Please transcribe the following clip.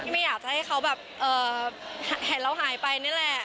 ไม่อยากจะให้เขาแบบเห็นเราหายไปนี่แหละ